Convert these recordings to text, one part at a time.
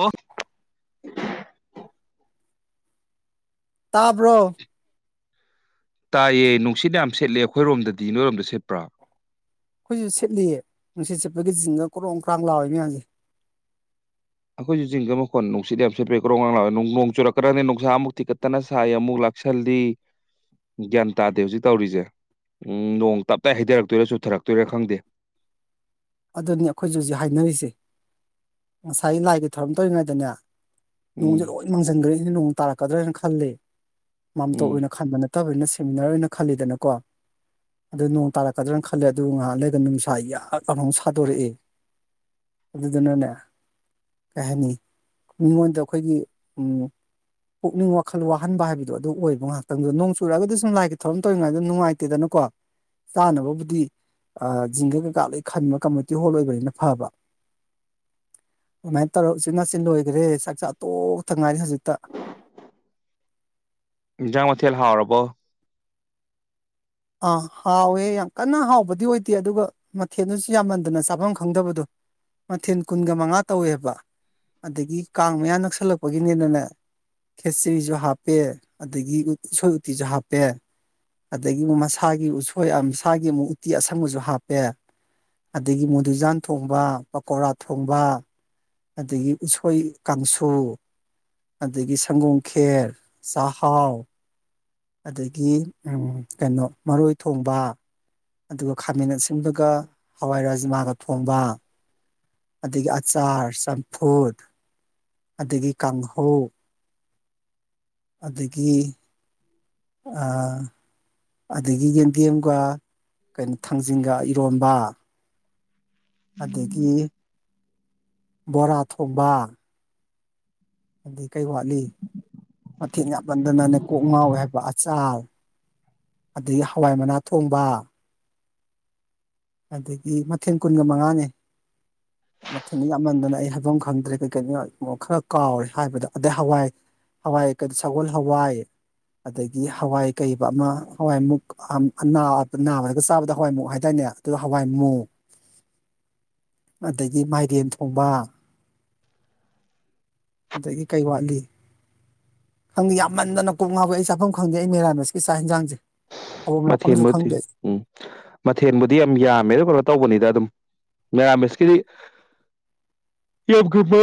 ꯑꯣ ꯇꯥꯕ꯭ꯔꯣ ꯇꯥꯏꯌꯦ ꯅꯨꯡꯁꯤꯠ ꯌꯥꯝ ꯁꯦꯠꯂꯦ ꯑꯩꯈꯣꯏꯔꯣꯝꯗꯗꯤ ꯅꯣꯏꯔꯣꯝꯗ ꯁꯦꯠꯄ꯭ꯔꯥ ꯑꯩꯈꯣꯏꯁꯨ ꯁꯦꯠꯂꯤꯌꯦ ꯅꯨꯡꯁꯤꯠ ꯁꯤꯠꯄꯒꯤ ꯆꯤꯡꯗ ꯀ꯭ꯔꯣꯡ ꯀ꯭ꯔꯥꯡ ꯂꯥꯎꯑꯣꯦ ꯃꯌꯥꯝꯁꯦ ꯑꯩꯈꯣꯏꯁꯨ ꯆꯤꯡꯒ ꯃꯈꯣꯟ ꯅꯨꯡꯁꯤꯠ ꯌꯥꯝꯦꯠꯄꯦ ꯀ꯭ꯔꯣꯥꯡꯣꯡ ꯆꯨꯔꯛꯀꯥꯗꯗꯤ ꯅꯨꯡꯁꯥ ꯑꯃꯨꯛ ꯇꯤꯀꯠꯇꯅ ꯁꯥꯏ ꯑꯃꯨꯛ ꯂꯥꯛꯁꯜꯗꯤ ꯒ꯭ꯌꯥꯟ ꯇꯥꯗꯦ ꯍꯧꯖꯤꯛ ꯇꯧꯔꯤꯁꯦ ꯎ ꯅꯣꯡ ꯇꯞꯇ ꯍꯩꯊꯔꯛꯇꯣꯏꯔꯥ ꯆꯨꯊꯔꯛꯇꯣꯏꯔꯥ ꯈꯪꯗꯦ [inaudible] ꯑꯗꯨꯅꯤ ꯑꯩꯈꯣꯏꯁꯨ ꯍꯧꯖꯤꯛ ꯍꯥꯏꯅꯔꯤꯁꯦ ꯉꯁꯥꯏ ꯂꯥꯏꯒꯤ ꯊꯧꯔꯝ ꯇꯧꯔꯤꯉꯩꯗꯅꯦ ꯅꯣꯡꯁꯦ ꯎꯝ ꯂꯣꯏ ꯃꯥꯡꯁꯤꯟꯈ꯭ꯔꯦꯅ ꯅꯣꯡ ꯇꯥꯔꯛꯀꯗ꯭ꯔꯦꯅ ꯈꯜꯂꯦ ꯃꯝꯇ ꯎꯝ ꯑꯣꯏꯅ ꯈꯟꯕ ꯅꯠꯇꯦ ꯐꯠꯇꯕꯅ ꯁꯃꯤꯅꯔ ꯑꯣꯏꯅ ꯈꯜꯂꯤꯗꯅꯀꯣ ꯑꯗꯨ ꯅꯣꯡ ꯇꯥꯔꯛꯀꯗ꯭ꯔꯥꯅ ꯈꯜꯂꯦ ꯑꯗꯨ ꯉꯥꯏꯍꯥꯛ ꯂꯩꯒ ꯃꯤꯁꯥ ꯌꯥꯝ ꯂꯔꯥꯎ ꯁꯥꯗꯣꯔꯛꯑꯦ ꯑꯗꯨꯗꯨ ꯅꯅꯦ ꯀꯩ ꯍꯥꯏꯅꯤ ꯃꯤꯉꯣꯟꯗ ꯑꯩꯈꯣꯏꯒꯤ ꯄꯨꯛꯅꯤꯡ ꯋꯥꯈꯜ ꯋꯥꯍꯟꯕ ꯍꯥꯏꯕꯗꯣ ꯑꯗꯨ ꯑꯣꯏꯕ ꯉꯥꯏꯥꯛꯇꯪꯗꯨꯗꯣꯣꯡ ꯆꯨꯔꯒꯗꯤ ꯁꯨꯝ ꯂꯥꯏꯒꯤ ꯊꯔꯝ ꯇꯧꯔꯤꯉꯩꯗ ꯅꯨꯡꯉꯥꯏꯇꯗꯅ ꯀꯣ ꯆꯥꯅꯕꯕꯨꯗꯤ ꯖꯤꯡꯒꯒ ꯀꯥꯞ ꯂꯩ ꯈꯟꯕ ꯀꯝꯃꯨꯅꯤꯇꯤ ꯍꯣꯜ ꯑꯣꯏꯕꯅꯤꯅ ꯐꯕ ꯑꯗꯨꯃꯥꯏꯅ ꯇꯧꯔ ꯁꯤ ꯃꯆ ꯂꯣꯏꯈ꯭ꯔꯦ ꯆꯥꯛ ꯆꯣꯛ ꯏꯟꯖꯥꯡ ꯃꯊꯦꯜ ꯍꯥꯎꯔꯕꯣ ꯑꯥ ꯍꯥꯎꯋꯦ ꯌꯥꯝ ꯀꯟꯅ ꯍꯥꯎꯕꯗꯤ ꯑꯣꯏꯗꯦ ꯑꯗꯨꯒ ꯃꯊꯦꯜꯠꯅꯁꯨ ꯌꯥꯝꯃꯟꯗꯅ ꯆꯥꯐꯝ ꯈꯪꯗꯕꯗꯣ ꯃꯊꯦꯜ ꯀꯨꯟꯒ ꯃꯉꯥ ꯇꯧꯋꯦꯕ ꯑꯗꯒꯤ ꯀꯥꯡ ꯃꯌꯥ ꯅꯛꯁꯜꯂꯛꯄꯒꯤꯅꯦꯅꯅꯦ ꯈꯦꯆꯔꯤꯁꯨ ꯍꯥꯞꯄꯦ ꯑꯗꯨꯗꯒꯤ ꯎꯣꯏ ꯎꯇꯤꯁꯨ ꯍꯥꯞꯄꯦ ꯑꯗꯨꯗꯒꯤ ꯃꯃ ꯃꯁꯥꯒꯤ ꯎꯁꯣꯏꯁꯥꯒꯤ ꯑꯃꯨꯛ ꯎꯇꯤ ꯑꯁꯪꯕꯁꯨ ꯍꯥꯞꯄꯦ ꯑꯗꯒꯤ ꯃꯨꯗꯨꯖꯥꯟ ꯊꯣꯡꯕ ꯄꯀꯧꯣꯔꯥ ꯊꯣꯡꯕ ꯑꯗꯒꯤ ꯎꯁꯣꯏ ꯀꯥꯡꯁꯨ ꯑꯗꯒꯤ ꯁꯪꯒꯣꯝ ꯈꯦꯔ ꯆꯥꯛꯍꯥꯎ ꯑꯗꯒꯤ ꯀꯩꯅꯣ ꯃꯔꯣꯏ ꯊꯣꯡꯕ ꯑꯗꯨꯒ ꯈꯥꯃꯦꯟ ꯑꯁꯤꯟꯕꯒ ꯍꯋꯥꯏꯔꯥꯖ ꯃꯥꯒ ꯊꯣꯡꯕ ꯑꯗꯒꯤ ꯑꯆꯥꯔ ꯆꯝꯐꯨꯠ ꯑꯗꯒꯤ ꯀꯥꯡꯍꯧ ꯑꯗꯒꯤ ꯑꯥ ꯑꯗꯒꯤ ꯌꯦꯟꯗꯦꯝꯒ ꯀꯩꯅꯣ ꯊꯥꯡꯖꯤꯡꯒ ꯏꯔꯣꯟꯝꯕ ꯑꯗꯒꯤ ꯕꯣꯔꯥ ꯊꯕꯥ ꯑꯗꯨꯗꯤ ꯀꯔꯤ ꯋꯥꯠꯂꯤ ꯃꯊꯦꯛ ꯌꯥꯄꯟꯗꯅꯅꯦ ꯀꯣꯛ ꯉꯥꯎ ꯍꯥꯏꯕ ꯑꯆꯥꯜ ꯑꯗꯒꯤ ꯍꯋꯥꯏ ꯃꯅꯥ ꯊꯣꯡꯕ ꯑꯗꯒꯤ ꯃꯊꯦꯜ ꯀꯨꯟꯒ ꯃꯉꯥꯅꯤ [inaudible] ꯃꯊꯦꯜ ꯌꯥꯝꯃꯟꯗꯅ ꯑꯩ ꯍꯥꯏꯐꯝ ꯈꯪꯗ꯭ꯔꯦ ꯀꯩ ꯀꯔꯤꯅꯣ ꯈꯔ ꯀꯥꯎꯔꯦ ꯍꯥꯏꯕꯗ ꯑꯗꯩ ꯍꯋꯥꯏ ꯍꯋꯥꯏ ꯀ ꯁꯒꯣꯜ ꯍꯋꯥꯏ ꯑꯗꯒꯤ ꯍꯋꯥꯏ ꯀꯩꯕ ꯑꯃ ꯍꯋꯥꯏꯃꯨꯛ ꯅꯥꯕꯗꯒ ꯆꯥꯕꯗ ꯍꯋꯥꯏꯃꯨꯛ ꯍꯥꯏꯇꯥꯔꯅꯦ ꯑꯗꯨꯒ ꯍꯋꯥꯏ ꯃꯨꯃꯨ ꯑꯗꯒꯤ ꯃꯥꯏꯔꯦꯝ ꯊꯣꯡꯕ ꯑꯗꯒꯤ ꯀꯩ ꯋꯥꯠꯂꯤ ꯈꯪꯗꯦ ꯌꯥꯝꯃꯟꯗꯅ ꯀꯣꯛ ꯉꯥꯎꯋ ꯑꯩ ꯆꯥꯐꯝ ꯈꯪꯗꯦ ꯑꯩ ꯃꯦꯔꯥꯃꯤꯁꯀꯤ ꯆꯥꯛ ꯌꯦꯟꯁꯥꯡꯁꯦ ꯃꯊꯦꯟꯕꯨꯗꯤ ꯎꯝ ꯃꯊꯦꯜꯕꯨꯗꯤ ꯌꯥꯝ ꯌꯥꯝꯃꯦ ꯑꯗꯨ ꯀꯩꯅꯣ ꯇꯧꯕꯅꯤꯗ ꯑꯗꯨꯝ ꯉ ꯃꯤꯁꯀꯤꯔꯤ ꯌꯥꯝꯕ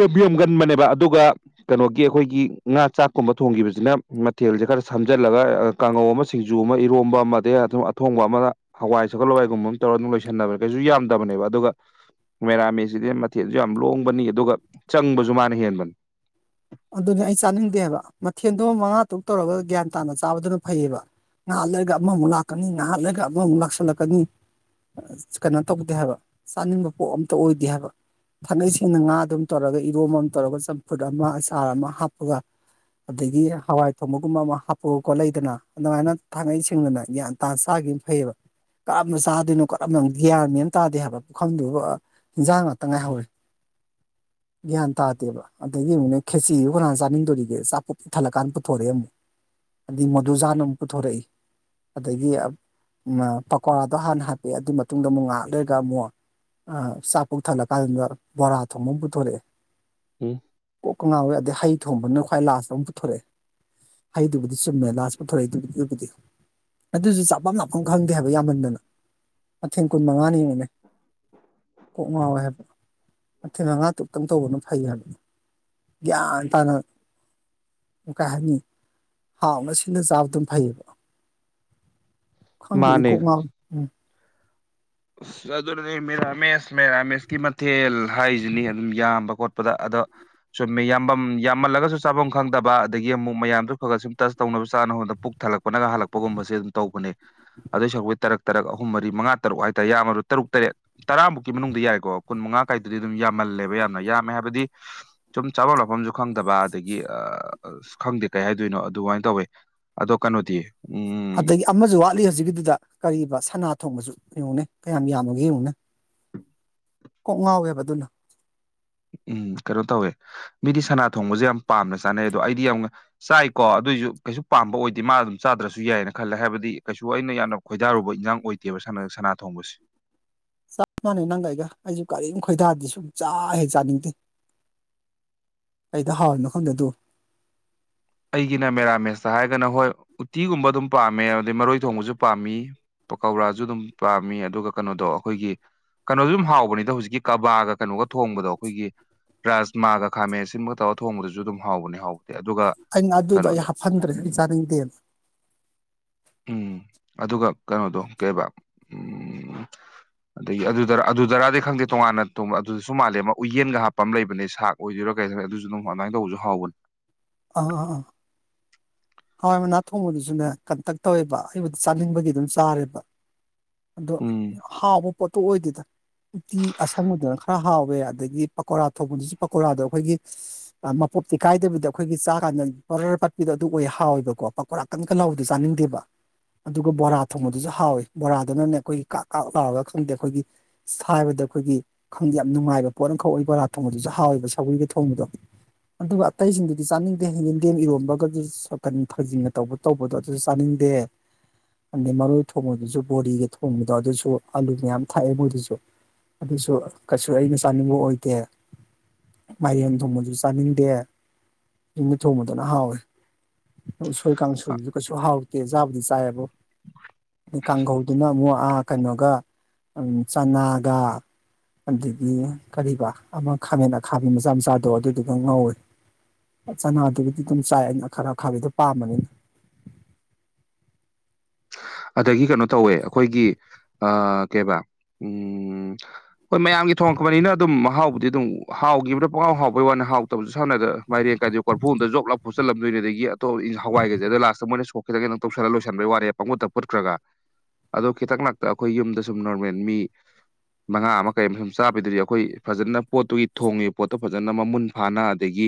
ꯌꯥꯝ ꯌꯥꯝꯒꯟꯕꯅꯦꯕ ꯑꯗꯨꯒ ꯀꯩꯅꯣꯒꯤ ꯑꯩꯈꯣꯏꯒꯤ ꯉꯥ ꯆꯥꯛꯀꯨꯝꯕ ꯊꯣꯡꯈꯤꯕꯁ ꯃꯊꯦꯜꯁꯦ ꯈꯔ ꯁꯝꯖꯤꯜꯂꯒ ꯀꯥꯡꯉꯧ ꯑꯃ ꯖꯨ ꯑꯃ ꯏꯔꯣꯝꯕ ꯑꯃꯗꯤ ꯑꯗꯨꯝ ꯑꯊꯣꯡꯕ ꯑꯃꯗ ꯍꯋꯥꯏ ꯁꯒꯠꯂꯋꯥꯏꯒꯨꯝꯕ ꯑꯃ ꯇꯧꯔꯒ ꯑꯗꯨꯝ ꯂꯣꯏꯁꯟꯅꯕꯅꯦ ꯀꯩꯁꯨ ꯌꯥꯝꯗꯕꯅꯦꯕ ꯑꯗꯨꯒ ꯃꯦꯔꯥꯃꯤꯁꯤꯗꯤ ꯃꯊꯦꯜꯁꯨ ꯌꯥꯝ ꯂꯣꯡꯕꯅꯤ ꯑꯗꯨꯒ ꯆꯪꯕꯁꯨ ꯃꯥꯅ ꯍꯦꯟꯕꯅꯤ ꯑꯗꯨꯅꯦ ꯑꯩ ꯆꯥꯅꯤꯡꯗꯦꯕ ꯃꯊꯦꯜꯗꯣ ꯃꯉꯥ ꯇꯔꯨꯛ ꯇꯧꯔꯒ ꯒ꯭ꯌꯥꯟ ꯇꯥꯅ ꯆꯥꯕꯗꯨꯅ ꯐꯩꯌꯦꯕ ꯅꯍꯥꯥꯟ ꯂꯩꯒ ꯑꯃꯃꯨꯛ ꯂꯥꯛꯀꯅꯤ ꯅꯍꯥꯟ ꯂꯩꯒ ꯑꯃꯃꯨꯛ ꯂꯥꯛꯁꯜꯂꯛꯀꯅꯤ ꯀꯩꯅꯣ ꯇꯧꯗꯦ ꯍꯥꯏꯕ ꯆꯥꯅꯤꯡꯕ ꯄꯣꯠ ꯑꯝꯇ ꯑꯣꯏꯗꯦ ꯍꯥꯏꯕ ꯐꯥꯅꯩꯁꯤꯡꯅ ꯉꯥ ꯑꯗꯨꯝ ꯇꯧꯔꯒ ꯏꯔꯣꯝ ꯑꯃ ꯇꯧꯔꯒ ꯆꯝꯐꯨꯠ ꯑꯃ ꯑꯆꯥꯔ ꯑꯃ ꯍꯥꯞꯄꯒ ꯑꯗꯒꯤ ꯍꯋꯥꯏ ꯊꯣꯡꯕꯒꯨꯝꯕ ꯑꯃ ꯍꯥꯞꯄꯣꯛꯑꯒ ꯈꯣꯠꯂꯗꯅ ꯑꯗꯨꯃꯥꯏꯅ ꯊꯥꯡꯒꯩ ꯁꯦꯡꯗꯅ ꯒ꯭ꯌꯥꯟ ꯇꯥ ꯆꯥ ꯝ ꯐꯩꯌꯦꯕ ꯀꯔꯝꯝꯕꯅ ꯆꯥꯗꯣꯏꯅꯣ ꯀꯔꯝꯕ ꯒ꯭ꯌꯥꯟꯅꯤꯅ ꯇꯥꯗꯦ ꯍꯥꯏꯕ ꯄꯨꯈꯝꯗꯨ ꯍꯟꯖꯥꯡ ꯉꯥꯛꯇ ꯉꯥꯏꯍꯧꯋꯤ [inaudible] ꯒꯌꯥꯟ ꯇꯥꯇꯦꯕ ꯑꯗꯒꯤꯅꯦꯦꯛ ꯈꯦꯆꯗꯨ ꯀꯔꯥꯟ ꯆꯥꯅꯤꯡꯗꯣꯔꯤꯒꯦ ꯆꯆꯥꯄꯣꯠ ꯏ ꯊꯜꯂꯀꯥꯟ ꯄꯨꯊꯣꯔꯛꯑꯦ ꯑꯃꯨꯛ ꯑꯗꯨꯗꯤ ꯃꯗꯨꯖꯥꯅ ꯑꯃꯨꯛ ꯄꯨꯊꯣꯔꯛꯏ ꯑꯗꯒꯤ ꯄꯀꯣꯔꯥꯗꯣ ꯍꯥꯟꯅ ꯍꯥꯞꯄꯛꯑꯦ ꯑꯗꯨꯒꯤ ꯃꯇꯨꯡꯗ ꯑꯃꯨꯛ ꯉꯥꯏꯍꯥꯛ ꯂꯩꯔꯒ ꯑꯃꯨꯛ ꯑ ꯆꯥꯛ ꯄꯨꯣꯛ ꯊꯜꯂ ꯀꯥꯟꯗꯨꯗ ꯕꯣꯔꯥ ꯊꯣꯡꯕ ꯑꯃ ꯄꯨꯊꯣꯔꯛꯑꯦ ꯎꯝ ꯀꯣꯛꯀ ꯉꯥꯎꯋꯏ ꯑꯗꯩ ꯍꯩ ꯊꯣꯡꯕꯅ ꯈ꯭ꯋꯥꯏ ꯂꯥꯁꯇ ꯑꯃꯨꯛ ꯄꯨꯊꯣꯔꯛꯑꯦ ꯍꯗꯨꯕꯨꯗꯤ ꯆꯨꯝꯃꯦ ꯂꯥꯁ ꯄꯨꯊꯣꯔꯛꯗꯨꯕꯨꯗꯤ ꯑꯗꯨꯕꯨꯗꯤ ꯑꯗꯨꯁꯨ ꯆꯥꯐꯝꯝ ꯅꯥꯐꯝ ꯈꯪꯗꯦ ꯍꯥꯏꯕ ꯌꯥꯝꯃꯟꯗꯅ ꯃꯊꯦꯟ ꯀꯨꯟ ꯃꯉꯥꯅꯤ ꯌꯦꯡꯅꯦ ꯀꯣꯛ ꯉꯥꯎꯋꯦ ꯍꯥꯏꯕ ꯃꯊꯤꯟ ꯉꯥ ꯇꯨꯞꯛꯇꯪ ꯇꯧꯕꯅ ꯐꯩ ꯍꯥꯏꯕ ꯌꯥ ꯇꯅꯣ ꯀꯥꯏ ꯍꯥꯏꯅꯤ ꯍꯥꯎꯅ ꯁꯤꯅ ꯆꯥꯕ ꯑꯗꯨꯝ ꯐꯩꯌꯦꯕ ꯈꯪꯗꯦꯏ ꯃꯥꯅꯦ ꯀꯣꯛ ꯉꯥꯡ ꯎꯝ ꯑꯁ ꯑꯗꯨꯅꯅꯦ ꯃꯦꯔꯥꯃꯦꯁ ꯃꯦꯔꯥꯃꯦꯁꯀꯤ ꯃꯊꯦꯜ ꯍꯥꯏꯁꯤꯅꯤ ꯑꯗꯨꯝ ꯌꯥꯝꯕ ꯈꯣꯠꯄꯗ ꯆꯨꯝꯃꯦ ꯌꯥꯝꯐꯝ ꯌꯥꯝꯃꯜꯂꯒꯁꯨ ꯆꯥꯐꯝ ꯈꯪꯗꯕ ꯑꯗꯒꯤ ꯑꯃꯨꯛ ꯃꯌꯥꯝꯗꯨ ꯈꯒ ꯁꯨꯝ ꯇꯁ ꯇꯧꯅꯕ ꯆꯥꯅꯕ ꯉ ꯄꯨꯛ ꯊꯜꯂꯛꯄꯅꯒ ꯍꯜꯂꯛꯄꯒꯨꯝꯁꯦ ꯑꯗꯨꯝ ꯇꯧꯕꯅꯦ ꯑꯗꯨꯏ ꯁꯔꯨꯛꯇꯩ ꯇꯔꯛ ꯇꯔꯛ ꯑꯍꯨꯝ ꯃꯔꯤ ꯃꯉꯥ ꯇꯔꯨꯛ ꯌꯥꯝꯃꯔꯨ ꯇꯔꯨꯛ ꯇꯔꯦꯠ ꯇꯔꯥꯃꯨꯛꯀꯤ ꯃꯅꯨꯡꯗ ꯌꯥꯏꯀꯣ ꯀꯨꯟ ꯃꯉꯥ ꯀꯥꯏꯗꯨꯗꯤ ꯑꯗꯨꯝ ꯌꯥꯝꯃꯜꯂꯦꯕ ꯌꯥꯝꯅ ꯌꯥꯝꯃꯦ ꯍꯥꯏꯕꯗꯤ ꯁꯨꯝ ꯆꯥꯐꯝ ꯃꯐꯝꯁꯨ ꯈꯪꯗꯕ ꯑꯗꯒꯤ ꯑ ꯈꯪꯗꯦ ꯀꯩ ꯍꯥꯏꯗꯣꯏꯅꯣ ꯑꯗꯨꯃꯥꯏꯅ ꯇꯧꯋꯦ ꯑꯗꯣ ꯀꯩꯅꯣꯗꯤꯌꯦ ꯑꯗꯒꯤ ꯑꯃꯁꯨ ꯋꯥꯠꯂꯤ ꯍꯧꯖꯤꯛꯀꯤꯗꯨꯗ ꯀꯔꯤꯕ ꯁꯅꯥ ꯊꯣꯡꯕꯁꯨ ꯌꯦꯡꯉꯨꯅꯦ ꯀꯌꯥꯝ ꯌꯥꯝꯃꯒꯦ ꯌꯦꯡꯉꯨꯅꯦ ꯀꯣꯛ ꯉꯥꯎꯋꯦꯕ ꯑꯗꯨꯅ ꯎꯝ ꯀꯩꯅꯣ ꯇꯧꯋꯦ ꯃꯤꯗꯤ ꯁꯅꯥ ꯊꯣꯡꯕꯁꯦ ꯌꯥꯝ ꯄꯥꯝꯅ ꯆꯥꯅꯩ ꯑꯗꯣ ꯑꯩꯗꯤ ꯌꯥꯝ ꯆꯥꯏꯀꯣ ꯑꯗꯨꯏ ꯑꯩ ꯀꯩꯁꯨ ꯄꯥꯝꯕ ꯑꯣꯏꯗꯦ ꯃꯥ ꯑꯗꯨꯝ ꯆꯥꯗ꯭ꯔꯁꯨ ꯌꯥꯏꯑꯅ ꯈꯜꯂꯦ ꯍꯥꯏꯕꯗꯤ ꯀꯩꯁꯨ ꯑꯩꯅ ꯌꯥꯝꯅ ꯈꯣꯏꯗꯥꯔꯨꯕ ꯏꯟꯖꯥꯡ ꯑꯣꯏꯗꯦꯕ ꯁ ꯅꯪ ꯁꯅꯥ ꯊꯣꯡꯕꯁꯤ ꯆꯞ ꯃꯥꯟꯅꯩ ꯅꯪꯒ ꯑꯩꯒ ꯑꯩꯁꯨ ꯀꯔꯤꯝ ꯈꯣꯏꯗꯥꯗꯤ ꯁꯨꯡ ꯆꯥ ꯍꯦꯛ ꯆꯥꯅꯤꯡꯗꯦ ꯑꯩꯗ ꯍꯥꯎꯔꯤꯅꯣ ꯈꯪꯗꯦ ꯑꯗꯨ ꯑꯩꯒꯤꯅ ꯃꯦꯔꯥꯃꯦꯁꯇ ꯍꯥꯏꯔꯒꯅ ꯍꯣꯏ ꯎꯇꯤꯒꯨꯝꯕ ꯑꯗꯨꯝ ꯄꯥꯝꯃꯦ ꯑꯗꯩ ꯃꯔꯣꯏ ꯊꯣꯡꯕꯁꯨ ꯄꯥꯝꯃꯤ ꯄꯀꯧꯔꯥꯁꯨ ꯑꯗꯨꯝ ꯄꯥꯝꯃꯤ ꯑꯗꯨꯒ ꯀꯩꯅꯣꯗꯣ ꯑꯩꯈꯣꯏꯒꯤ ꯀꯩꯅꯣꯁꯨ ꯑꯗꯨꯝ ꯍꯥꯎꯕꯅꯤꯗ ꯍꯧꯖꯤꯛꯀꯤ ꯀꯕꯥꯒ ꯀꯩꯅꯣꯒ ꯊꯣꯡꯕꯗꯣ ꯑꯩꯈꯣꯏꯒꯤ ꯔꯥꯖꯃꯥꯒ ꯈꯥꯃꯦꯟ ꯁꯤꯨꯝꯕ ꯇꯧꯔꯒ ꯊꯣꯡꯕꯗꯁꯨ ꯑꯗꯨꯝ ꯍꯥꯎꯕꯅꯤ ꯍꯥꯎꯕꯗꯤꯦ ꯑꯗꯨꯒ ꯑꯩꯅ ꯑꯗꯨꯗꯣ ꯑꯩ ꯀꯩꯅꯣꯗꯣ ꯍꯥꯞꯐꯟꯗ꯭ꯔꯦ ꯆꯥꯅꯤꯡꯗꯦꯅ ꯎꯝ ꯑꯗꯨꯒ ꯀꯩꯅꯣꯗꯣ ꯀꯩꯕ ꯎꯝ ꯑꯗꯒꯤ ꯑꯗꯨꯗꯔ ꯑꯗꯨꯗꯔꯗꯤ ꯈꯪꯗꯦ ꯇꯣꯉꯥꯟꯅꯣꯡ ꯑꯗꯨꯗꯁꯨ ꯃꯥꯜꯂꯦ ꯑꯃ ꯎꯌꯦꯟꯒ ꯍꯥꯞꯄ ꯑꯃ ꯂꯩꯕꯅꯦ ꯁꯥꯛ ꯑꯣꯏꯗꯣꯏꯔꯥ ꯀꯩꯗ ꯑꯗꯨꯁꯨ ꯑꯗꯨꯝ ꯑꯗꯨꯃꯥꯏꯅ ꯇꯧꯕꯁꯨ ꯍꯥꯎꯕꯅꯦ ꯑꯥ ꯑꯥ ꯍꯋꯥꯏ ꯃꯅꯥ ꯊꯣꯡꯕꯗꯨꯁꯨꯅꯦ ꯀꯟꯇꯛ ꯇꯧꯋꯦꯕ ꯑꯩꯕꯨꯗ ꯆꯥꯅꯤꯡꯕꯒꯤ ꯑꯗꯨꯝ ꯆꯥꯔꯦꯕ ꯑꯗꯣ ꯎꯝ ꯍꯥꯎꯕ ꯄꯣꯠꯇꯣ ꯑꯣꯏꯗꯦꯗ ꯎꯇꯤ ꯑꯁꯪꯕꯗꯅ ꯈꯔ ꯍꯥꯎꯋꯦ ꯑꯗꯒꯤ ꯄꯀꯧꯣꯔꯥ ꯊꯧꯕꯗꯨꯁꯨ ꯄꯀꯧꯣꯔꯥꯗ ꯑꯩꯈꯣꯏꯒꯤ ꯄꯣꯞꯇꯤ ꯀꯥꯏꯗꯕꯤꯗ ꯑꯩꯈꯣꯏꯒꯤ ꯆꯥ ꯀꯥꯟꯗ ꯄꯔ ꯄꯥꯠꯄꯤꯗꯣ ꯑꯗꯨ ꯑꯣꯏ ꯊꯥꯎꯋꯦꯕꯀꯣ ꯄꯀꯔꯥꯛ ꯀꯟ ꯀꯅꯥꯎꯣ ꯆꯥꯅꯤꯡꯗꯦꯕ ꯑꯗꯨꯒ ꯕꯣꯔꯥ ꯊꯣꯡꯕꯗꯨꯁꯨ ꯍꯥꯎꯋꯤ ꯕꯣꯔꯥꯗꯨꯅꯅꯦ ꯑꯩꯈꯣꯏꯒꯤ ꯀꯥꯛ ꯀꯥꯛ ꯂꯥꯎꯔꯒ ꯈꯪꯗꯦ ꯑꯩꯈꯣꯏꯒꯤꯕꯗ ꯑꯗ ꯑꯩꯈꯣꯏꯒꯤ ꯈꯪꯗꯦ ꯌꯥꯝ ꯅꯨꯡꯉꯥꯏꯕ ꯄꯣꯠ ꯑꯃꯈꯛ ꯑꯣꯏ ꯕꯣꯔꯥ ꯊꯣꯡꯕꯗꯨꯁꯨ ꯍꯥꯎꯋꯦꯕ ꯁꯧꯒꯔꯤꯒꯤ ꯊꯣꯡꯕꯗꯣ ꯑꯗꯨꯒ ꯑꯇꯩꯁꯤꯡꯗꯨꯗꯤ ꯆꯥꯅꯤꯡꯗꯦ ꯍꯦꯟꯖꯟꯒꯦꯝ ꯏꯔꯣꯟꯝꯕꯒ ꯟ ꯊꯥꯖꯤꯟꯅ ꯇꯧꯕ ꯇꯧꯕꯗꯣ ꯑꯗꯨꯁꯨ ꯆꯥꯅꯤꯡꯗꯦ ꯑꯗꯩ ꯃꯔꯣꯏ ꯊꯣꯡꯕꯗꯨꯁꯨ ꯕꯣꯔꯤꯒ ꯊꯣꯡꯕꯗꯣ ꯑꯗꯨꯁꯨ ꯑꯂꯨ ꯃꯌꯥꯝ ꯊꯥꯛꯑꯦ ꯃꯣꯏꯗꯨꯁꯨ ꯑꯗꯨꯁꯨ ꯀꯩꯁꯨ ꯑꯩꯅ ꯆꯥꯅꯤꯡꯕ ꯑꯣꯏꯗꯦ ꯃꯌꯦꯡ ꯊꯣꯡꯕꯁꯨ ꯆꯥꯅꯤꯡꯗꯦ ꯅꯨꯃꯤꯠ ꯊꯣꯡꯕꯗꯅ ꯍꯥꯎꯋꯤ ꯎꯁꯣꯏ ꯀꯥꯡꯁꯣꯏꯗꯨ ꯀꯩꯁꯨ ꯍꯥꯎꯇꯦ ꯆꯥꯕꯨꯗꯤ ꯆꯥꯏꯌꯦꯕꯣ [unintelligible] ꯀꯥꯡꯈꯧꯗꯨꯅ ꯑꯃꯨꯛ ꯀꯩꯅꯣꯒ ꯆꯅꯥꯒ ꯑꯗꯒꯤ ꯀꯕꯥ ꯑꯃ ꯈꯥꯃꯦꯟ ꯑꯈꯥꯕꯤ ꯃꯆꯥ ꯃꯆꯥꯗꯣ ꯑꯗꯨꯗꯨꯒ ꯉꯧꯏꯤ ꯑꯆꯥꯅ ꯑꯗꯨꯗꯤ ꯆꯥꯏ ꯈꯔ ꯈꯥꯕꯤꯗꯣ ꯄꯥꯝꯝꯕꯅꯤꯅ ꯑꯗꯒꯤ ꯀꯩꯅꯣ ꯇꯧꯋꯦ ꯑꯩꯈꯣꯏꯒꯤ ꯀꯩꯕꯥ ꯎꯝ ꯍꯣꯏ ꯃꯌꯥꯝꯒꯤ ꯊꯣꯡꯛꯄꯅꯤꯅ ꯑꯗꯨꯝ ꯃꯍꯥꯎꯕꯨꯗꯤ ꯑꯗꯨꯝ ꯍꯥꯎꯈꯤꯕ꯭ꯔꯥ ꯄꯉꯥꯎ ꯍꯥꯎꯕꯩ ꯋꯥꯅ ꯍꯥꯎꯇꯕꯁꯨ ꯁꯥꯟꯅꯗꯥꯏꯔ ꯀꯥꯏꯗꯦ ꯀ ꯀꯣꯔꯐꯣꯝꯗ ꯖꯞꯨꯠꯆꯜꯂꯝꯗꯣꯏꯅꯤ ꯑꯗꯒꯤ ꯑꯇꯣꯞ ꯍꯋꯥꯏꯒꯁꯦ ꯑꯗ ꯂꯥꯁꯇ ꯃꯣꯏꯅ ꯁ ꯈꯈꯤꯪ ꯅꯪ ꯇꯧꯁꯤꯜꯂꯒ ꯂꯣꯏꯁꯤꯟꯕꯒꯤ ꯋꯥꯔꯦ ꯄꯥꯡꯒꯨꯠꯇ ꯄꯨꯠꯈ꯭ꯔꯒ ꯑꯗꯣ ꯈꯤꯇꯪ ꯉꯥꯛꯇ ꯑꯩꯈꯣꯏ ꯌꯨꯝꯗ ꯁꯨꯝ ꯅꯣꯔꯃꯦꯜ ꯃꯤ ꯃꯉꯥ ꯑꯃ ꯀꯔꯤ ꯑꯃ ꯁꯨꯝ ꯆꯥꯕꯤꯗꯔꯤ ꯑꯩꯈꯣꯏ ꯐꯖꯅ ꯄꯣꯠꯇꯨꯒꯤ ꯊꯣꯡꯉꯤꯕ ꯄꯣꯠꯇꯣ ꯐꯖꯅ ꯃꯃꯨꯟ ꯐꯥꯅ ꯑꯗꯒꯤ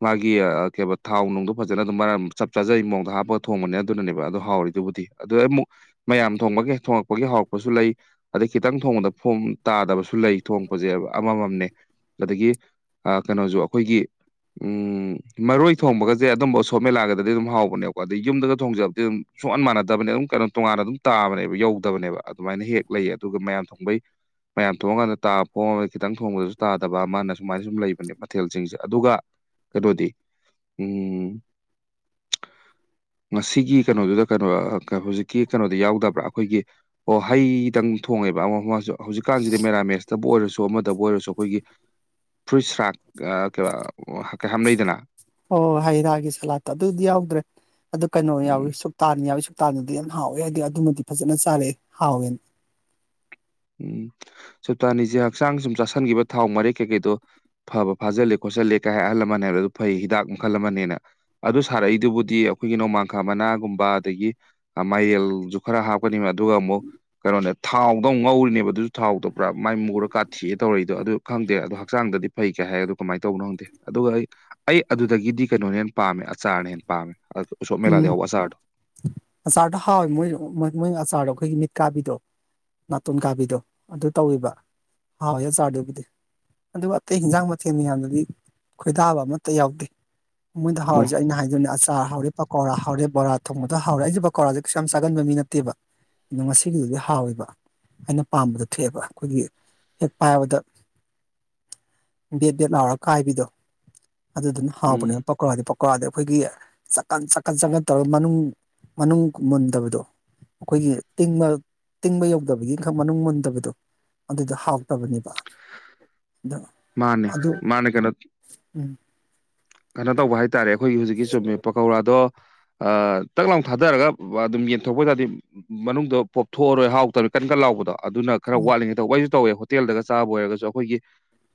ꯃꯥꯒꯤ ꯀ ꯊꯥꯎ ꯅꯨꯡꯗꯣ ꯐꯖꯅ ꯑꯗꯨꯝ ꯆꯞ ꯆꯥꯖꯩ ꯃꯑꯣꯡꯗ ꯍꯥꯞꯄꯒ ꯊꯣꯡꯕꯅꯦ ꯑꯗꯨꯅꯅꯦꯕ ꯑꯣ ꯍꯥꯎꯔꯤ ꯑꯗꯨꯕꯨꯗꯤ ꯑꯗꯨ ꯑꯃꯨꯛ ꯃꯌꯥꯝ ꯊꯣꯡꯕꯒꯤ ꯊꯣꯡꯉꯛꯄꯒꯤ ꯍꯧꯔꯛꯄꯁꯨ ꯂꯩ ꯑꯗꯩ ꯈꯤꯇꯪ ꯊꯣꯡꯕꯗ ꯐꯣꯝ ꯇꯥꯗꯕꯁꯨ ꯂꯩ ꯊꯣꯡꯄꯁꯦ ꯑꯃꯃꯝꯅꯦ ꯑꯗꯒꯤ ꯀꯩꯅꯣꯁꯨ ꯑꯩꯈꯣꯏꯒꯤ ꯎꯝ ꯃꯔꯣꯏ ꯊꯣꯡꯕꯒꯁꯦ ꯑꯗꯨꯝꯕ ꯁꯣꯞꯃꯦꯦꯂꯥꯒꯗꯗꯤ ꯑꯗꯨꯝ ꯍꯥꯎꯕꯅꯦꯕꯀꯣ ꯑꯗꯩ ꯌꯨꯝꯗꯒ ꯊꯣꯡꯖꯕꯗꯤ ꯑꯗꯨꯝ ꯁꯨꯡꯍꯟ ꯃꯥꯟꯅꯗꯕꯅꯦ ꯑꯗꯨꯝ ꯀꯩꯅꯣ ꯇꯣꯉꯥꯟꯅ ꯑꯗꯨꯝ ꯇꯥꯕꯅꯦꯕ ꯌꯧꯗꯕꯅꯦꯕ ꯑꯗꯨꯃꯥꯏꯅ ꯍꯦꯛ ꯂꯩ ꯑꯗꯨꯒ ꯃꯌꯥꯝ ꯊꯣꯡꯕꯩ ꯃꯌꯥꯝ ꯊꯣꯡꯉꯀꯥꯟꯗ ꯇꯥꯕ ꯐꯣꯡꯉꯒ ꯈꯤꯇꯪ ꯊꯣꯡꯕꯗꯁꯨ ꯇꯥꯗꯕ ꯃꯥꯅ ꯁꯨꯃꯥꯏꯅ ꯁꯨꯝ ꯂꯩꯕꯅꯦ ꯃꯊꯦꯜꯁꯤꯡꯁꯦ ꯑꯗꯨꯒ ꯀꯔꯗꯤ ꯎꯝ ꯉꯁꯤꯒꯤ ꯀꯩꯅꯣꯗꯨꯗ ꯀꯩꯅꯣ ꯍꯧꯖꯤꯛꯀꯤ ꯀꯩꯅꯣꯗꯤ ꯌꯥꯎꯗꯕ꯭ꯔꯥ ꯑꯩꯈꯣꯏꯒꯤ ꯑꯣ ꯍꯩꯗꯪ ꯊꯣꯡꯉꯦꯕ ꯑꯃ ꯑꯃꯁꯁꯨ ꯍꯧꯖꯤꯛꯀꯥꯟꯁꯤꯗꯤ ꯃꯦꯔꯥꯃꯦꯁꯇꯕꯨ ꯑꯣꯏꯔꯁꯨ ꯣ ꯑꯃꯗꯕꯨ ꯑꯣꯏꯔꯁꯨ ꯑꯩꯈꯣꯏꯒꯤ ꯐ꯭ꯔꯨꯏꯠꯁꯔꯥꯛ ꯀ ꯀꯩꯌꯥꯝꯝ ꯂꯩꯗꯅ ꯍꯣꯏꯣꯏ ꯍꯩ ꯔꯥꯒꯤ ꯁꯂꯥꯠꯇꯣ ꯑꯗꯨꯗꯤ ꯌꯥꯎꯗ꯭ꯔꯦ ꯑꯗꯨ ꯀꯩꯅꯣ ꯎꯝ ꯌꯥꯎꯏꯤ ꯁꯨꯛꯇꯥꯟ ꯌꯥꯎꯏꯨ ꯞ ꯇꯥꯗꯗꯤ ꯌꯥꯝ ꯍꯥꯎꯋꯦ ꯍꯥꯏꯗꯤ ꯑꯗꯨꯃꯗꯤ ꯐꯖꯅ ꯆꯥꯔꯛꯑꯦ ꯍꯥꯎꯋꯦꯅ ꯎꯝ ꯁꯞꯇꯥꯅꯤꯁꯦ ꯍꯛꯆꯥꯡ ꯁꯨꯝ ꯆꯥꯥꯁꯟꯈꯤꯕ ꯊꯥꯎ ꯃꯔꯤꯩ ꯀꯩꯀꯩꯗꯣ ꯐꯥꯜꯜꯂꯤꯦ ꯈꯣꯠꯆꯜꯜꯂꯤꯦ ꯀꯩ ꯍꯥꯏ ꯑꯍꯜ ꯂꯃꯟ ꯍꯥꯏ ꯑꯗꯨ ꯐꯩ ꯍꯤꯗꯥꯛ ꯃꯈꯜ ꯑꯃꯅꯦꯅ ꯑꯗꯨ ꯁꯥꯔꯛꯏꯗꯨꯕꯨꯗꯤ ꯑꯩꯈꯣꯏꯒꯤ ꯅꯣꯡꯃꯥꯡꯈꯥ ꯃꯅꯥꯒꯨꯝꯕ ꯑꯗꯒꯤ ꯃꯌꯦꯜꯁꯨ ꯈꯔ ꯍꯥꯞꯀꯅꯤꯕ ꯑꯗꯨꯒ ꯑꯃꯨꯛ ꯀꯩꯅꯣꯅꯦ ꯊꯥꯎꯗ ꯑꯃꯨꯛ ꯉꯧꯔꯤ ꯅꯦꯕ ꯑꯗꯨꯁꯨ ꯊꯥꯎꯗꯕ꯭ꯔ ꯃꯨꯔꯥꯊꯤꯑ ꯇꯧꯔꯤꯏꯗꯣ ꯑꯗꯨ ꯈꯪꯗꯦ ꯑꯗ ꯍꯛꯆꯥꯡꯗꯤ ꯐꯩ ꯍꯥꯏꯒꯗꯣ ꯀꯃꯥꯏꯅ ꯇꯧꯕꯅꯣ ꯈꯪꯗꯦ ꯑꯗꯨꯒ ꯑꯩ ꯑꯩ ꯑꯗꯨꯗꯒꯤꯗꯤ ꯀꯩꯅꯣꯅ ꯍꯦꯟꯅ ꯄꯥꯝꯃꯦ ꯑꯆꯥꯔꯅ ꯍꯦꯟꯅ ꯄꯥꯝꯃꯦ ꯎꯁꯣꯞ ꯃꯦꯂꯥꯗ ꯎꯝ ꯌꯥꯎꯕ ꯑꯆꯥꯔꯗꯣ ꯑꯆꯥꯔꯗꯣ ꯍꯥꯎꯋꯦ ꯃꯣꯏ ꯃꯣꯏ ꯑꯆꯥꯔꯗꯣ ꯑꯩꯈꯣꯏꯒꯤ ꯀꯥꯕꯤꯗꯣ ꯅꯥꯇꯣꯟ ꯀꯥꯕꯤꯗꯣ ꯑꯗꯨ ꯇꯧꯋꯕ ꯍꯥꯎꯋꯦ ꯆꯥꯔꯗꯨꯕꯨꯗꯤ ꯑꯗꯨꯒ ꯑꯇꯩ ꯍꯟꯖꯥꯡ ꯃꯊꯦꯜ ꯃꯌꯥꯝꯗꯗꯤ ꯈꯣꯏꯗꯥꯕ ꯑꯃꯠꯇ ꯌꯥꯎꯗꯦ ꯃꯣꯏꯗ ꯍꯧꯥꯎꯔꯤꯁꯦ ꯑꯩꯅ ꯍꯥꯏꯗꯣꯏꯅꯦ ꯑꯆꯥꯔ ꯍꯔꯦ ꯄꯀꯧꯥ ꯍꯧꯔꯦ ꯕꯣꯔꯥ ꯊꯣꯡꯕꯗ ꯍꯧꯔꯦ ꯑꯩꯁꯦ ꯄꯀꯧꯥꯁꯦ ꯀꯩꯁꯨ ꯌꯥꯝ ꯆꯥꯒꯕ ꯃꯤ ꯅꯠꯇꯦꯕ ꯑꯗꯣ ꯉꯁꯤꯒꯤꯗꯨꯗꯤ ꯍꯥꯎꯋꯕ ꯑꯩꯅ ꯄꯥꯝꯕꯗ ꯊꯣꯛꯑꯦꯕ ꯑꯩꯈꯣꯏꯒꯤ ꯍꯦꯛ ꯄꯥꯏꯕꯗ ꯕꯦꯠ ꯕꯦꯠ ꯂꯥꯎꯔꯒ ꯀꯥꯏꯕꯤꯗꯣ ꯑꯗꯨꯗꯨꯅ ꯎꯝ ꯍꯥꯎꯕꯅꯦꯅ ꯄꯀꯣꯔꯥꯗꯤ ꯄꯀꯣꯔꯥꯗꯤ ꯑꯩꯈꯣꯏꯒꯤ ꯆꯈꯠ ꯆꯈꯠ ꯇꯧꯔꯒ ꯃꯅꯨꯡ ꯃꯅꯨꯡ ꯃꯨꯟꯗꯕꯗꯣ ꯑꯩꯈꯣꯏꯒꯤ ꯇꯤꯡꯕ ꯇꯤꯡꯕ ꯌꯧꯗꯕꯒꯤ ꯏꯪꯈꯥꯡ ꯃꯅꯨꯡ ꯃꯨꯟꯗꯕꯗꯣ ꯑꯗꯨꯗꯣ ꯍꯥꯎꯇꯕꯅꯦꯕ ꯑꯗꯣ ꯃꯥꯅꯦ ꯑꯗꯨ ꯃꯥꯅꯦ ꯀ ꯅ ꯎꯝ ꯀꯩꯅꯣ ꯇꯧꯕ ꯍꯥꯏꯇꯥꯔꯦ ꯑꯩꯈꯣꯏꯒꯤ ꯍꯧꯖꯤꯛꯀꯤꯨꯝꯃꯦ ꯄꯀꯧꯔꯥꯗꯣ ꯇꯛ ꯂꯥꯎ ꯊꯥꯗꯔꯒ ꯑꯗꯨꯝ ꯌꯦꯟꯊꯣꯛꯄ ꯑꯣꯏꯇꯥꯥꯔꯗꯤ ꯃꯅꯨꯡꯗ ꯄꯣꯞꯊꯣꯛꯑꯔꯣꯏ ꯍꯥꯎꯇꯕꯔ ꯀꯟꯀ ꯂꯥꯎꯕꯗꯣ ꯑꯗꯨꯅ ꯈꯔ ꯎꯝ ꯋꯥꯠꯂꯤꯉꯩ ꯇꯧꯕ ꯑꯩꯁꯨ ꯇꯧꯋꯦ ꯍꯣꯇꯦꯜꯗꯒ ꯆꯥꯕ ꯑꯣꯏꯔꯒꯁꯨ ꯑꯩꯈꯣꯏꯒꯤ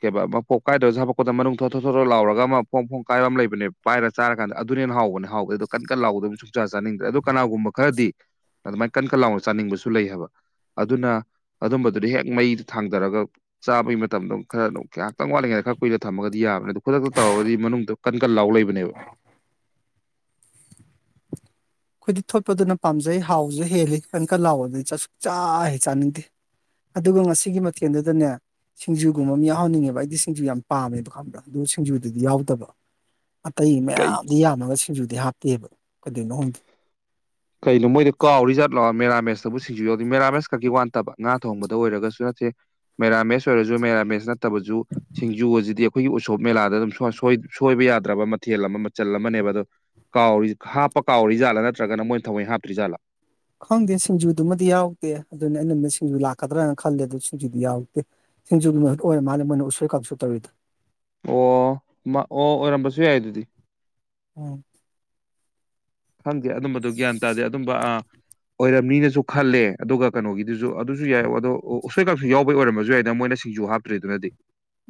ꯀꯩ ꯃꯄꯣꯛ ꯀꯥꯏꯗꯣꯏ ꯁꯥꯕꯄꯣꯠꯠꯇ ꯃꯅꯨꯡ ꯊꯣꯠ ꯊꯣ ꯊꯣꯔ ꯂꯥꯎꯔꯒ ꯑꯃ ꯐꯣꯡ ꯀꯥꯏꯕ ꯑꯃ ꯂꯩꯕꯅꯦ ꯄꯥꯏꯔ ꯆꯥꯔꯀꯥꯟꯗ ꯑꯗꯨꯅꯦꯅ ꯍꯥꯎꯕꯅꯦ ꯍꯥꯎꯕꯦ ꯑꯗꯣ ꯀꯟ ꯀꯟ ꯂꯥꯎꯗꯕ ꯁꯨꯡꯆꯥ ꯆꯥꯅꯤꯡꯗ꯭ꯔꯦ ꯑꯗꯣ ꯀꯅꯥꯒꯨꯝꯕ ꯈꯔꯗꯤ ꯑꯗꯨꯃꯥꯏꯅ ꯀꯟ ꯈꯠ ꯂꯥꯎꯅ ꯆꯥꯅꯤꯡꯕꯁꯨ ꯂꯩ ꯍꯥꯏꯕ ꯑꯗꯨꯅ ꯑꯗꯨꯝꯕꯗꯨꯗꯤ ꯍꯦꯛ ꯃꯩꯗ ꯊꯥꯡꯊꯔꯒ ꯆꯥꯕꯩ ꯃꯇꯝꯗꯣ ꯈꯔ ꯑꯗꯨ ꯉꯥꯏꯍꯥꯛꯪ ꯋꯥꯠꯂꯤꯉꯩꯗ ꯈꯔ ꯀꯨꯏꯅ ꯊꯝꯃꯒꯗꯤꯕ ꯑ ꯑꯗꯨ ꯈꯨꯗꯛꯇ ꯇꯧꯔꯗꯤ ꯃꯅꯨꯡꯗ ꯀꯟ ꯀꯟ ꯂꯥꯎ ꯂꯩꯕꯅꯦꯕ ꯑꯩꯈꯣꯏꯗꯤ ꯊꯣꯠꯄꯗꯨꯅ ꯄꯥꯝꯖꯩ ꯍꯥꯎꯁꯨ ꯍꯦꯜꯂꯤ ꯀꯪꯀ ꯍꯥꯎꯕꯗꯗꯤ ꯆꯥꯛꯁꯨꯛ ꯆꯥ ꯍꯩ ꯆꯥꯅꯤꯡꯗꯦ ꯑꯗꯨꯒ ꯉꯁꯤꯒꯤ ꯃꯊꯦꯜꯗꯨꯗꯅꯦ ꯁꯤꯡꯖꯨꯒꯨꯝꯕ ꯑꯃ ꯌꯥꯎꯍꯟꯅꯤꯡꯉꯦꯕ ꯑꯩꯗꯤ ꯁꯤꯡꯖꯨ ꯌꯥꯝ ꯄꯥꯝꯃꯦꯕ ꯈꯪꯕ꯭ꯔꯥ ꯑꯗꯨ ꯁꯤꯡꯖꯨꯗꯨꯗꯤ ꯌꯥꯎꯗꯕ ꯑꯇꯩ ꯀꯩ ꯃꯌꯥꯝꯗꯤ ꯌꯥꯝꯃꯒ ꯁꯤꯡꯖꯨꯗꯤ ꯍꯥꯞꯇꯦꯕ ꯀꯩꯗꯧꯅꯣ ꯍꯗꯦ ꯀꯩꯅꯣ ꯃꯣꯏꯗ ꯀꯥꯎꯔꯤꯖꯥꯠ ꯂꯥꯛꯑꯣ ꯃꯦꯥ ꯦꯥꯃꯦꯁꯕꯨ ꯁꯤꯡꯁꯨ ꯌꯥꯎꯦ ꯃꯦꯔꯥꯃꯦꯁ ꯀꯛꯀꯤ ꯋꯥꯟꯇꯕ ꯉꯥ ꯊꯣꯡꯕꯗ ꯑꯣꯏꯔꯒꯁꯨ ꯅꯠꯇꯦ ꯃꯦꯔꯥꯃꯦꯁ ꯑꯣꯏꯔꯁꯨ ꯃꯦꯔꯥꯃꯦꯁ ꯅꯠꯇꯕꯁꯨ ꯁꯤꯡꯖꯨ ꯑꯁꯤꯗꯤ ꯑꯩꯈꯣꯏꯒꯤ ꯎꯁꯣꯞ ꯃꯦꯂꯥꯗ ꯑꯗꯨꯝ ꯁꯣꯏꯕ ꯌꯥꯗ꯭ꯔꯕ ꯃꯊꯦꯜ ꯑꯃ ꯃꯆꯜ ꯑꯃꯅꯦꯕ ꯑꯣ ꯀ ꯍꯥꯞꯄ ꯀꯥꯎꯔꯤꯖꯥꯠꯂꯥ ꯅꯠꯇ꯭ꯔꯒꯅ ꯃꯣꯏ ꯊꯋꯥꯏ ꯍꯥꯞꯇꯔꯤꯖꯥꯠꯂꯥ ꯈꯪꯗꯦ ꯁꯤꯡꯖꯨꯗꯨꯃꯗꯤ ꯌꯥꯎꯗꯦ ꯑꯗꯨꯅ ꯑꯩꯅꯗ ꯁꯤꯡꯖꯨ ꯂꯥꯛꯀꯗ꯭ꯔꯥꯅ ꯈꯜꯂꯦ ꯑꯗꯨ ꯁꯤꯡꯖꯨꯗꯤ ꯌꯥꯎꯛꯇꯦ ꯁꯤꯡꯖꯨꯒꯤ ꯃꯍꯨꯠ ꯑꯣꯏꯔ ꯃꯥꯜꯂꯦ ꯃꯣꯏꯅ ꯎꯁ ꯀꯥꯞꯁꯨ ꯇꯧꯔꯤꯗ ꯑꯣ ꯑꯣ ꯑꯣꯏꯔꯝꯕꯁꯨ ꯌꯥꯏ ꯑꯗꯨꯗꯤ ꯎꯝ ꯈꯪꯗꯦ ꯑꯗꯨꯝꯕꯗꯨꯣ ꯒ꯭ꯌꯥꯟ ꯇꯥꯗꯦ ꯑꯗꯨꯝꯕ ꯑ ꯑꯣꯏꯔꯝ ꯃꯤꯅꯁꯨ ꯈꯜꯂꯦ ꯑꯗꯨꯒ ꯀꯩꯅꯣꯒꯤꯗꯨꯁꯨ ꯑꯗꯨꯁꯨ ꯌꯥꯏ ꯑꯗꯣ ꯎꯁꯣꯏꯀꯥꯁꯨ ꯌꯥꯎꯕꯩ ꯑꯣꯏꯔꯝꯃꯁꯨ ꯌꯥꯏꯗꯅ ꯃꯣꯏꯅ ꯁꯤꯁꯨ ꯍꯥꯞꯇ꯭ꯔꯤꯗꯨꯅꯗꯤ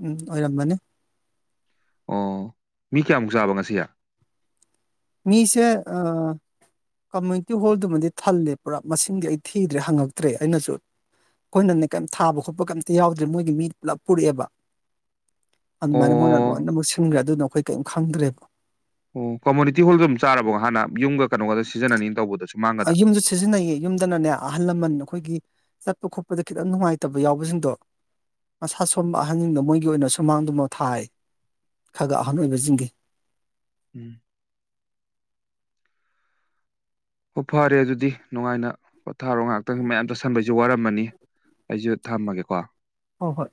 ꯎꯝ ꯑꯣꯏꯔꯝꯕꯅꯤ ꯑꯣ ꯃꯤ ꯀꯌꯥꯃꯨꯛ ꯆꯥꯕ ꯉꯁꯤ ꯃꯤꯁꯦ ꯑ ꯀꯝꯃꯨꯅꯤꯇꯤ ꯍꯣꯜꯗꯨꯃꯗꯤ ꯊꯜꯂꯦ ꯄꯨꯔꯥ ꯃꯁꯤꯡꯗꯤ ꯑꯩ ꯊꯤꯗ꯭ꯔꯦ ꯍꯪꯉꯛꯇ꯭ꯔꯦ ꯑꯩꯅꯁꯨ ꯑꯩꯈꯣꯏꯅꯅꯦ ꯀꯩꯝ ꯊꯥꯕ ꯈꯣꯠꯄ ꯀꯩꯝꯇ ꯌꯥꯎꯗ꯭ꯔꯦ ꯃꯣꯏꯒꯤ ꯃꯤ ꯄꯨꯂꯞ ꯄꯨꯔꯛꯑꯦꯕ ꯑꯗꯨꯃꯥꯏꯅ ꯃꯣꯏꯅ ꯂꯣꯏꯅ ꯑꯃꯨꯛ ꯁꯤꯟꯈ꯭ꯔꯦ ꯑꯗꯨꯅ ꯑꯩꯈꯣꯏ ꯀꯔꯤꯝ ꯈꯪꯗ꯭ꯔꯦꯕ ꯑꯣ ꯀꯝꯃꯨꯅꯤꯇꯤ ꯍꯣꯜꯗ ꯑꯗꯨꯝ ꯆꯥꯔꯕꯒꯣ ꯍꯥꯟꯅ ꯌꯨꯝꯒ ꯀꯩꯅꯣꯒꯗ ꯁꯤꯖꯤꯟꯅꯅꯤꯅ ꯇꯧꯕꯗ ꯌꯨꯝꯁꯨ ꯁꯤꯖꯤꯟꯅꯩꯌꯦ ꯌꯨꯝꯗꯅꯅꯦ ꯑꯍꯜ ꯂꯃꯟ ꯑꯩꯈꯣꯏꯒꯤ ꯆꯠꯄ ꯈꯣꯠꯄꯗ ꯈꯤꯇꯪ ꯅꯨꯡꯉꯥꯏꯇꯕ ꯌꯥꯎꯕꯁꯤꯡꯗꯣ ꯃꯁꯥ ꯁꯣꯟꯕ ꯑꯍꯟꯁꯤꯡꯗꯣ ꯃꯣꯏꯒꯤ ꯑꯣꯏꯅ ꯁꯨꯃꯥꯡꯗꯨꯃ ꯊꯥꯏ ꯈꯒ ꯑꯍꯟ ꯑꯣꯏꯕꯁꯤꯡꯒꯤ ꯎꯝ ꯑꯣ ꯐꯔꯦ ꯑꯗꯨꯗꯤ ꯅꯨꯡꯉꯥꯏꯅ ꯄꯣꯊꯥꯔꯣ ꯉꯍꯥꯛꯇꯪ ꯃꯌꯥꯝ ꯇꯠꯁꯟꯕꯩꯁꯨ ꯋꯥꯔꯝꯃꯅꯤ ꯑꯩꯁꯨ ꯊꯝꯃꯒꯦꯀꯣ ꯍꯣꯏ ꯍꯣꯏ